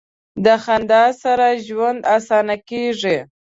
د خندا سره ژوند اسانه کیږي.